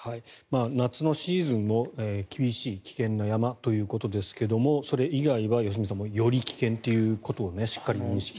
夏のシーズンも厳しい危険な山ということですがそれ以外は良純さんより危険ということをしっかり認識して。